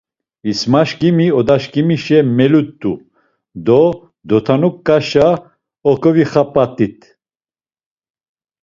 İsmaşǩimi odaşǩimişe melut̆u do dotanuǩoşa oǩovixap̌at̆it.